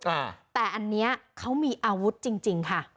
อ่าแต่อันเนี้ยเขามีอาวุธจริงจริงค่ะ